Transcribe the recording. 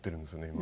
今。